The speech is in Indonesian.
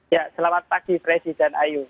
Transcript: ya selamat pagi presiden ayu